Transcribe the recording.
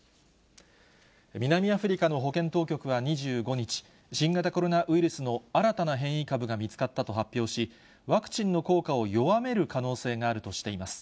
南アフリカの保健当局は２５日、新型コロナウイルスの新たな変異株が見つかったと発表し、ワクチンの効果を弱める可能性があるとしています。